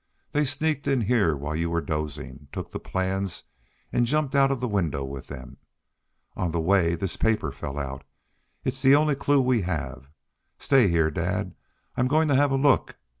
They sneaked in here while you were dozing, took the plans, and jumped out of the window with them. On the way this paper fell out. It's the only clue we have. Stay here, dad. I'm going to have a look."